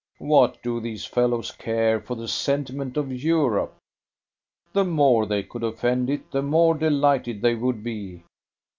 What do these fellows care for the sentiment of Europe? The more they could offend it, the more delighted they would be.